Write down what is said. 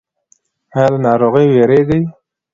ایا له ناروغۍ ویریږئ؟